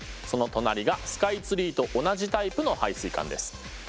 その隣がスカイツリーと同じタイプの排水管です。